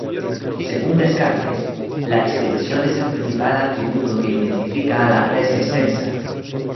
Según Descartes, la extensión es el principal atributo que identifica a la "res extensa".